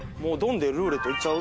で「ルーレット」いっちゃう？